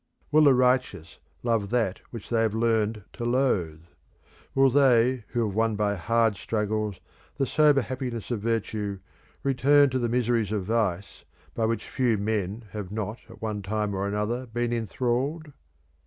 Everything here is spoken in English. Will the righteous love that which they have learnt to loathe? Will they who have won by hard struggles the sober happiness of virtue return to the miseries of vice by which few men have not at one time or another been enthralled?